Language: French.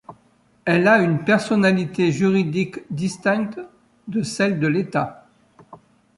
Elle a une personnalité juridique distincte de celle de l'État.